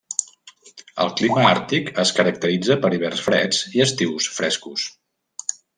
El clima àrtic es caracteritza per hiverns freds i estius frescos.